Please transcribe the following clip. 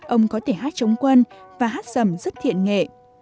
ông có thể hát chống quân và hát sầm rất thiện nghệ